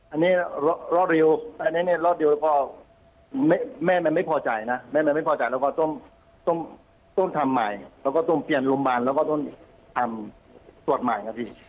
อันนี้รอดเร็วอันนี้เนี่ยรอดเร็วพอแม่มันไม่พอใจนะแม่มันไม่พอใจแล้วก็ต้องทำใหม่แล้วก็ต้มเปลี่ยนโรงพยาบาลแล้วก็ต้องทำตรวจใหม่นะพี่